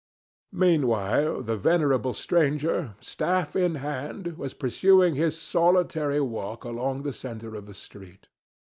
Meanwhile, the venerable stranger, staff in hand, was pursuing his solitary walk along the centre of the street.